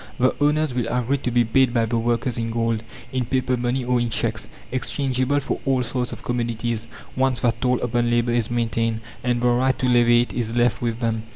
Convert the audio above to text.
The owners will agree to be paid by the workers in gold, in paper money, or in cheques exchangeable for all sorts of commodities, once that toll upon labour is maintained, and the right to levy it is left with them.